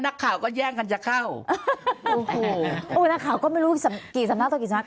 นักข่าก็แย่งกันจะเข้าอู้นักข่าก็ไม่รู้กี่สำนาคตกี่สำนาคต